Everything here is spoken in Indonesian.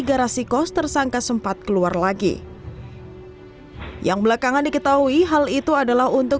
garasi kos tersangka sempat keluar lagi yang belakangan diketahui hal itu adalah untuk